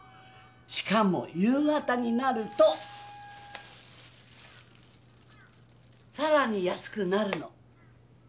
しかも夕方になるとさらに安くなるの！